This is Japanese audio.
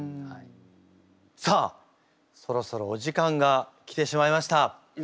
さあそろそろお時間が来てしまいました。